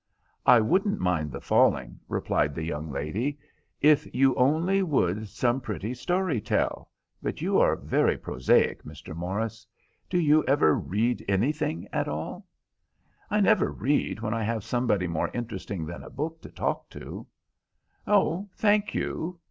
"I wouldn't mind the falling," replied the young lady, "if you only would some pretty story tell; but you are very prosaic, Mr. Morris. Do you ever read anything at all?" "I never read when I have somebody more interesting than a book to talk to." "Oh, thank you.